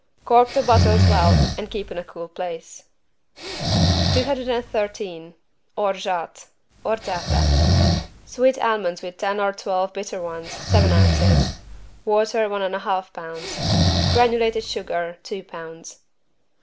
Cork the bottles well and keep in a cool place. 213 ORGEAT (Orzata) Sweet almonds with 10 or 12 bitter ones, seven ounces. Water, one and half pounds. Granulated sugar, two pounds.